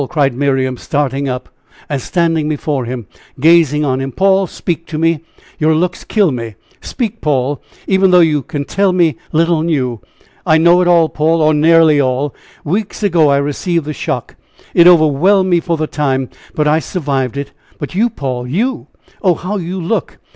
cried Miriam, starting up, standing before him, gazing on him. "Paul! speak to me. Your looks kill me. Speak, Paul! even though you can tell me little new. I know it all, Paul; or nearly all. Weeks ago I received the shock! it overwhelmed me for the time; but I survived it! But you, Paul you! Oh! how you look!